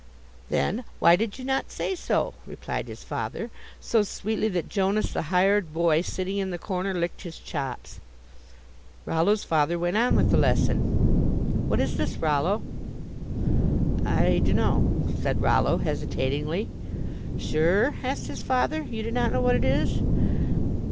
"Then why did you not say so?" replied his father, so sweetly that Jonas, the hired boy, sitting in the corner, licked his chops. Rollo's father went on with the lesson: "What is this, Rollo?" "I dunno," said Rollo, hesitatingly. "Sure?" asked his father. "You do not know what it is?"